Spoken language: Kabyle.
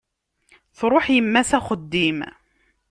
Truḥ yemma s axeddim.